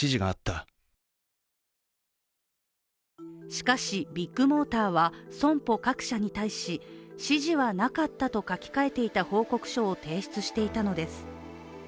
しかしビッグモーターは損保各社に対し、指示はなかったと書き換えていた報告書を提出していたのです。